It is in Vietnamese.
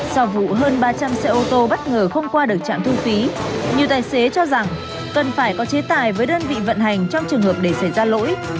sau vụ hơn ba trăm linh xe ô tô bất ngờ không qua được trạm thu phí nhiều tài xế cho rằng cần phải có chế tài với đơn vị vận hành trong trường hợp để xảy ra lỗi